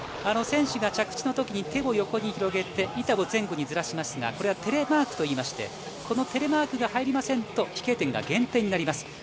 選手が着地の時に手を横に広げて、板を前後にずらしますが、これはテレマークといいまして、このテレマークが入りませんと飛型点が減点になります。